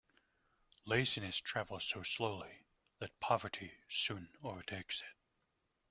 Laziness travels so slowly that poverty soon overtakes it.